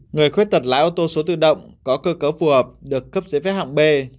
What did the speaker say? người khuyết tật lái ô tô số tự động có cơ cấu phù hợp được cấp giấy phép hạng b